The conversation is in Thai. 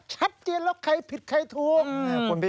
ชัดเจนแล้วใครผิดใครถูก